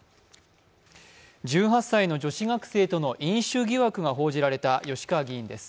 １８歳の女子学生との飲酒疑惑が報じられた吉川議員です。